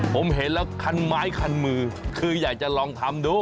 ผมเห็นแล้วคันไม้คันมือคืออยากจะลองทำดู